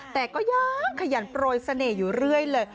แต่ก็ยังขยันโปรยเสน่ห์อยู่เรื่อยเลย